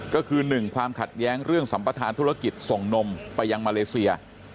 ก็คือ๑ความขัดแย้งเรื่องสัมประธานธุรกิจส่งนมไปยังมาเลเซีย